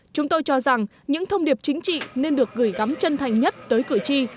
chúng tôi cho rằng những thông điệp chính trị nên được gửi gắm chân thành nhất tới cử tri